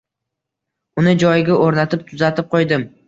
Uni joyiga oʻrnatib tuzatib qoʻydim.